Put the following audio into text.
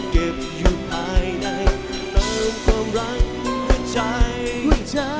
เก็บอยู่ภายในเติมความรักในหัวใจ